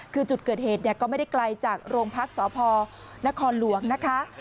คือจุดเกิดเหตุก็ไม่ได้ไกลจากโรงพักษพนครหลวงนะคะ